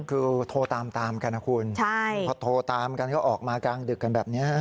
คือโทรตามตามกันนะคุณพอโทรตามกันก็ออกมากลางดึกกันแบบนี้